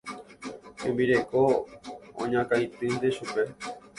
Hembireko oñakãitýnte chupe.